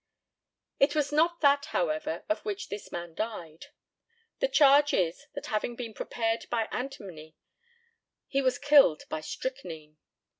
It was not that, however, of which this man died. The charge is, that having been prepared by antimony, he was killed by strychnine.